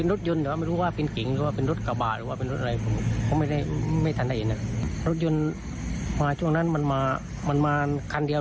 รถยนต์มาช่วงนั้นคำถามรถยนต์กันเดียว